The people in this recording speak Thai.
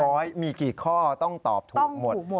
๑๐๐ทั้ง๑๐๐มีกี่ข้อต้องตอบถูกหมด